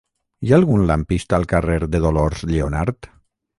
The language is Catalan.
Hi ha algun lampista al carrer de Dolors Lleonart?